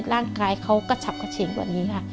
ร่างกายเขาก็ฉับกระเฉงกว่านี้ค่ะ